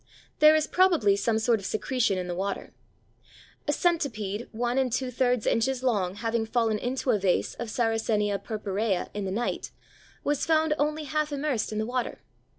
There is probably some sort of secretion in the water. "A centipede 1 2/3 inches long having fallen into a vase of Sarracenia purpurea in the night was found only half immersed in the water.